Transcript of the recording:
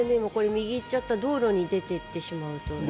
右に行っちゃったら道路に出ていってしまうと。